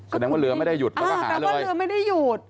แสดงว่าเรือไม่ได้หยุดแล้วก็หาเลยเพราะเรือไม่ได้หยุด